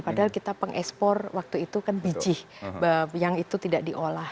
padahal kita pengekspor waktu itu kan biji yang itu tidak diolah